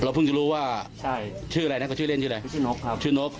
เพิ่งจะรู้ว่าใช่ชื่ออะไรนะเขาชื่อเล่นชื่ออะไรคือชื่อนกครับชื่อนก